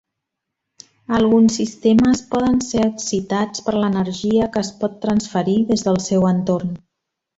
Alguns sistemes poden ser excitats per l'energia que es pot transferir des del seu entorn.